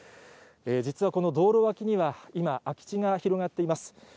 実はこの道路脇には、今、空き地が広がっています。